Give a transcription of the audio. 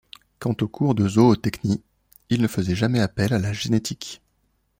Quant aux cours de zootechnie, ils ne faisaient jamais appel à la génétique.